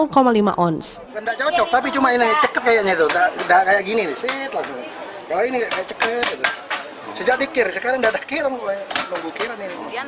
tidak kayak gini kalau ini kayak ceket sejak dikir sekarang tidak ada kir nunggu kiran ini